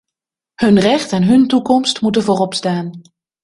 Hun recht en hun toekomst moeten vooropstaan.